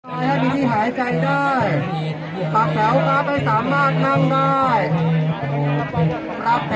เอาถ้าที่ที่หายใจได้ตรับแถวรับให้สามมากนั่งได้